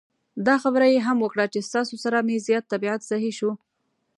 دا خبره یې هم وکړه چې ستاسو سره مې زیات طبعیت سهی شو.